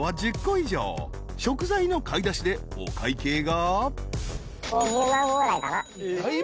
［食材の買い出しでお会計が］